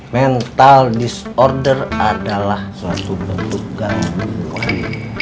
mental disorder adalah suatu bentuk gangguan